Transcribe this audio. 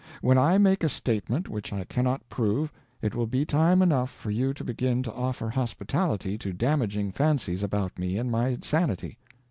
When I make a statement which I cannot prove, it will be time enough for you to begin to offer hospitality to damaging fancies about me and my sanity."